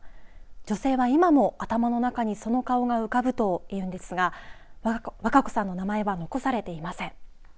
女性は今も頭の中にその顔が浮かぶというんですがわか子さんの名前は残されていません。